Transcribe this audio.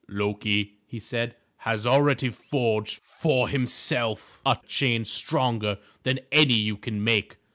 "Loki," he said, "has already forged for himself a chain stronger than any you can make.